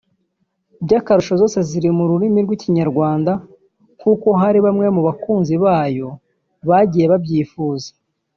by’akarusho zose ziri mu rurimi rw’ikinyarwanda nk’uko hari bamwe mu bakunzi bayo bagiye babyifuza